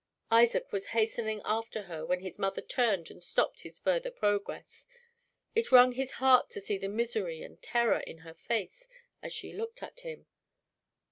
Isaac was hastening after her when his mother turned and stopped his further progress. It wrung his heart to see the misery and terror in her face as she looked at him.